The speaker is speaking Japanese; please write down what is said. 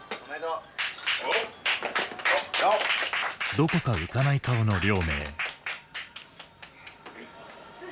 どこか浮かない顔の亮明。